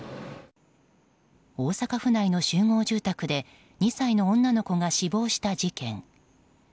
大阪府内の集合住宅で２歳の女の子が死亡した事件。